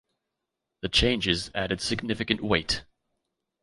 The changes added significant weight.